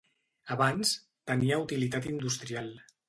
Abans tenia utilitat industrial.